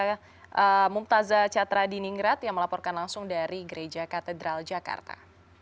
saya mumtazah catra diningrat yang melaporkan langsung dari gereja katedral jakarta